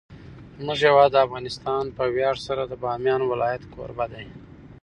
زموږ هیواد افغانستان په ویاړ سره د بامیان ولایت کوربه دی.